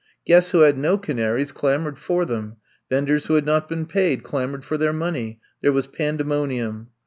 Guests who had no canaries clamored for them. Venders who had not been paid clamored for their money. There was pandemonium.